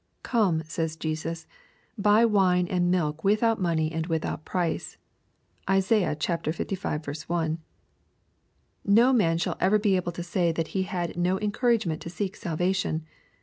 "Come," says Jesus, "buy wine and milk without money and without price." — (Isaiah Iv. 1.) No man shall ever be able to say that he had no encouragement to seek salvation.